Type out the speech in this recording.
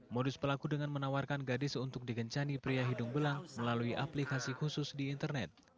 modus pelaku dengan menawarkan gadis untuk digencani pria hidung belah melalui aplikasi khusus di internet